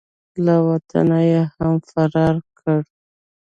له وطنه یې هم فرار کړ.